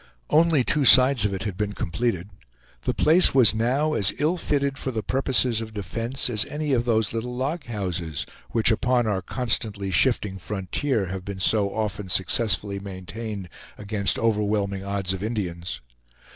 Only two sides of it had been completed; the place was now as ill fitted for the purposes of defense as any of those little log houses, which upon our constantly shifting frontier have been so often successfully maintained against overwhelming odds of Indians.